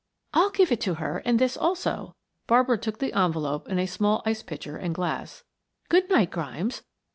"I'll give it to her and this also," Barbara took the envelope and a small ice pitcher and glass. "Good night, Grimes.